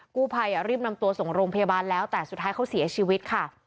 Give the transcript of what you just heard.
กู้ภัยรีบนำตัวส่งโรงพยาบาลแล้วแต่สุดท้ายเขาเสียชีวิตค่ะ